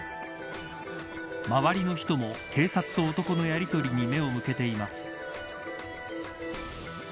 周りの人も警察と男のやりとりに目を向けています。